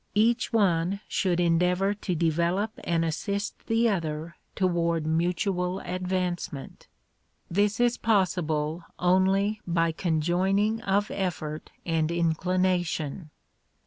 Each one should endeavor to develop and assist the other toward mutual advancement. This is possible only by conjoining of effort and inclination.